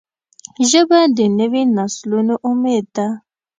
ژبه د نوي نسلونو امید ده